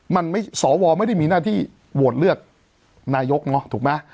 มันไม่สวไม่ได้มีหน้าที่โหวตเลือกนายกเนอะถูกไหม